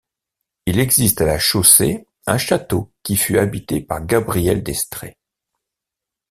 Il existe à la Chaussée un château qui fut habité par Gabrielle d'Estrées.